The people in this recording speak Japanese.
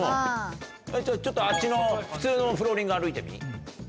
ちょっとあっちの普通のフローリング歩いてみ。